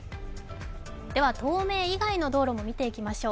では東名以外の道路も見ていきましょう。